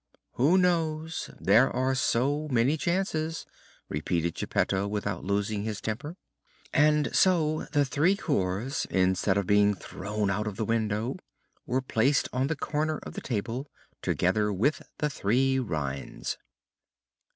"Who knows! there are so many chances!" repeated Geppetto, without losing his temper. And so the three cores, instead of being thrown out of the window, were placed on the corner of the table, together with the three rinds.